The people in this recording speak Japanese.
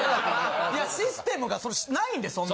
いやシステムがないんでそんな。